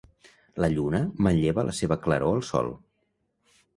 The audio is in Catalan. La Lluna manlleva la seva claror al Sol.